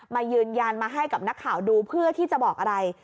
มายืนยันมาให้กับนักข่าวดูเพื่อที่จะบอกอะไร